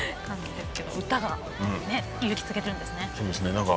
歌が勇気づけるんですね。